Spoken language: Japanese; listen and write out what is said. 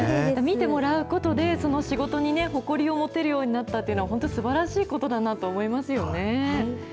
見てもらうことで、その仕事に誇りを持てるようになったっていうのは、本当、すばらしいことだなと思いますよね。